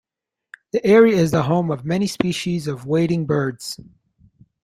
The area is the home of many species of wading birds.